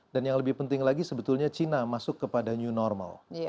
dan yang lebih penting lagi sebetulnya cina masuk kepada new normal